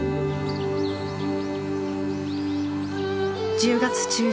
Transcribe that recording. １０月中旬。